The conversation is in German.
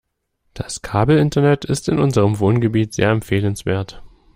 Das Kabelinternet ist in unserem Wohngebiet sehr empfehlenswert.